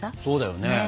そうだよね。